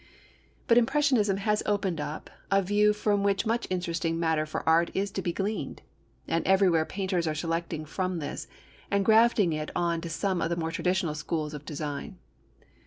But impressionism has opened up a view from which much interesting matter for art is to be gleaned. And everywhere painters are selecting from this, and grafting it on to some of the more traditional schools of design.